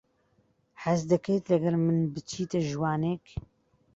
حەز دەکەیت لەگەڵ من بچیتە ژوانێک؟